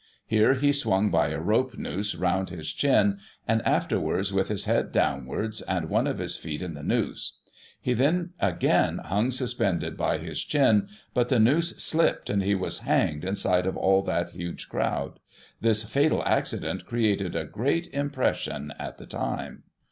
Here he swung by a rope noose round his chin, and afterwards, with his head downwards and one Digiti ized by Google 1841] PRINCE ALBERTS DUCKING. 153 of his feet in the noose. He then again hung suspended by his chin, but the noose slipped, and he was hanged in sight of all that huge crowd. This fatal accident created a great impression at the time.